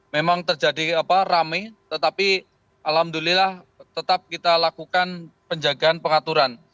memang terjadi rame tetapi alhamdulillah tetap kita lakukan penjagaan pengaturan